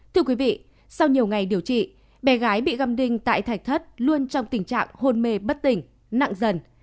thưa quý vị sau nhiều ngày điều trị bé gái bị găm đinh tại thạch thất luôn trong tình trạng hôn mê bất tỉnh nặng dần